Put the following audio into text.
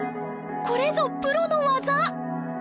これぞプロの技！